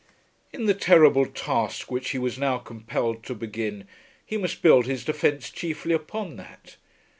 In the terrible task which he was now compelled to begin he must build his defence chiefly upon that.